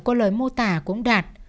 qua lời mô tả của ông đạt